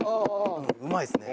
うまいですね。